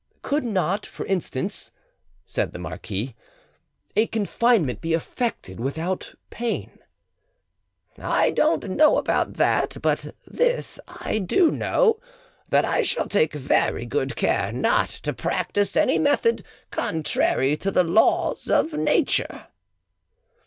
"Could not, for instance," said the marquis, "a confinement be effected without pain?" "I don't know about that, but this I do" know, that I shall take very good care not to practise any method contrary to the laws of nature."